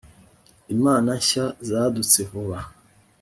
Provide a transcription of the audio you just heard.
imana nshya zadutse vuba